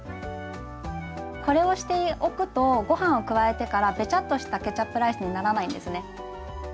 これをしておくとごはんを加えてからべちゃっとしたケチャップライスにならないんですね。